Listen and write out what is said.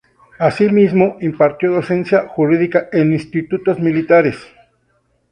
Asimismo, impartió docencia jurídica en institutos militares.